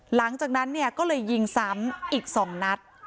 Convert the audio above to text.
หลังจากนั้นเนี่ยก็เลยยิงซ้ำอีก๒นัด